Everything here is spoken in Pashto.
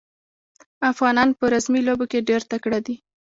افغانان په رزمي لوبو کې ډېر تکړه دي.